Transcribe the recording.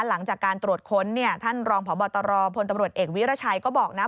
หลังจากการตรวจค้นเนี่ยท่านรองพบตรพลตำรวจเอกวิรชัยก็บอกนะ